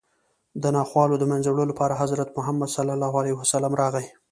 د ناخوالو د منځه وړلو لپاره حضرت محمد صلی الله علیه وسلم راغی